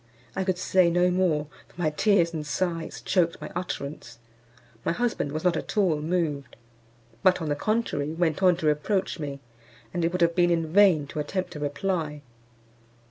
I could say no more, for my tears and sighs choked my utterance. My husband was not at all moved, but, on the contrary, went on to reproach me; and it would have been in vain to attempt a reply.